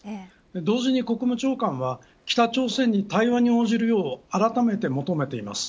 同時に国務長官は北朝鮮に対話に応じるようあらためて求めています。